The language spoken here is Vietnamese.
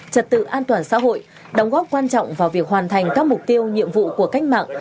trật tự an toàn xã hội đóng góp quan trọng vào việc hoàn thành các mục tiêu nhiệm vụ của cách mạng